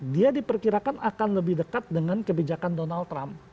dia diperkirakan akan lebih dekat dengan kebijakan donald trump